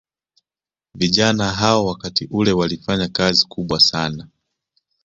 Vijana hao wakati ule walifanya kazi kubwa sana